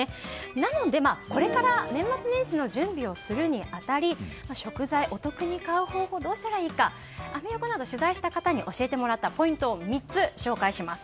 なので、これから年末年始の準備をするに当たり食材、お得に買う方法どうしたらいいかアメ横などを取材して教えてもらったポイントを３つ紹介します。